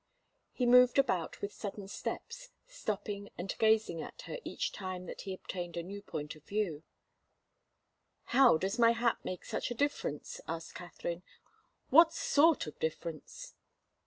He moved about with sudden steps, stopping and gazing at her each time that he obtained a new point of view. "How does my hat make such a difference?" asked Katharine. "What sort of difference?"